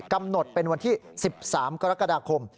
กำหนดเป็นวันที่๑๓กรกฎาคม